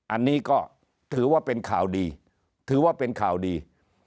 อันนี้ก็ถือว่าเป็นข่าวดีถือว่าเป็นข่าวดี